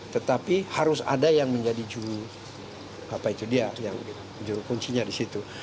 tetapi harus ada yang menjadi juru apa itu dia yang juru kuncinya di situ